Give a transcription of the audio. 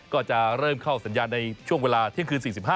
ก็จะเริ่มเข้าสัญญาณในช่วงเวลาเที่ยงคืน๔๕